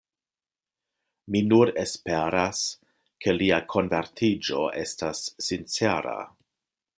Mi nur esperas, ke lia konvertiĝo estas sincera.